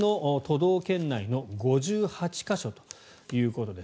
道県内の５８か所ということです。